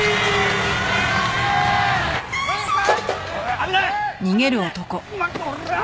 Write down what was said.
危ない！